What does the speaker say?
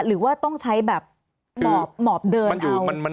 หรือว่าต้องใช้แบบหมอบเดิน